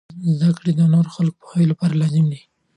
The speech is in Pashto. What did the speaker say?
زده کړه د نورو خلکو د پوهاوي لپاره لازم دی.